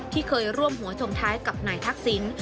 ที่เคยร่วมหัวส่งท้ายกับนายทักศิลป์